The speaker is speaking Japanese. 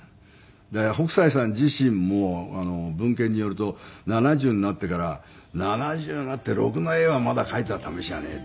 だから北斎さん自身も文献によると７０になってから７０になって「ろくな絵はまだ描いたためしがねえ」って。